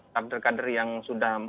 kader kader yang sudah